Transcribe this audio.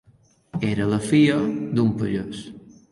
Era la filla d'un pagès.